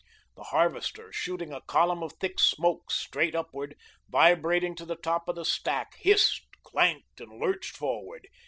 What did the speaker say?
The harvester, shooting a column of thick smoke straight upward, vibrating to the top of the stack, hissed, clanked, and lurched forward.